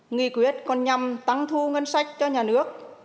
nghị quyết còn nhằm tăng thu ngân sách cho nhà nước